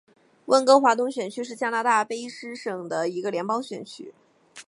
温哥华东选区是加拿大卑诗省的一个联邦选区。